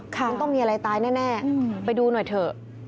มันต้องมีอะไรตายแน่ไปดูหน่อยเถอะ